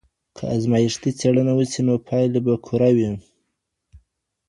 که ازمایښتي څېړنه وسي نو پایلي به کره وي.